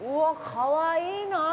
かわいいなあ。